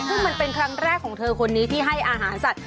ซึ่งมันเป็นครั้งแรกของเธอคนนี้ที่ให้อาหารสัตว